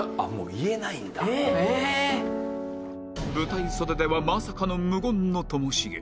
舞台袖ではまさかの無言のともしげ